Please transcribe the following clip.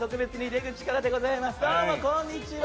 どうも、こんにちは！